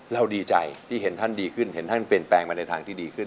ดีใจที่เห็นท่านดีขึ้นเห็นท่านเปลี่ยนแปลงมาในทางที่ดีขึ้น